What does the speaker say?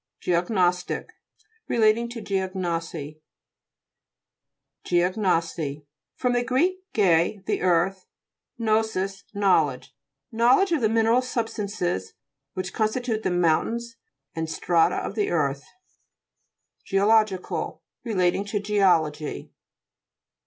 GEOGNO'STIC Relating to geognosy. GEOG'NOSY fr. gr. ge, the earth, gnosis, knowledge. Knowledge of the mineral substances which con stitute the mountains and strata of the earth. GEOLO'GICAL Relating to geology.